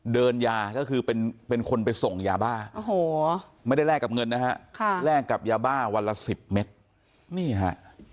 ยาก็คือเป็นคนไปส่งยาบ้าโอ้โหไม่ได้แลกกับเงินนะฮะแลกกับยาบ้าวันละ๑๐เมตรนี่ฮะ